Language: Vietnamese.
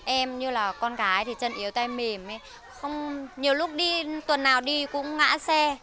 em như là con gái thì chân yếu tay mềm nhiều lúc tuần nào đi cũng ngã xe